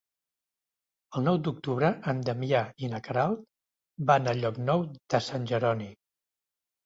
El nou d'octubre en Damià i na Queralt van a Llocnou de Sant Jeroni.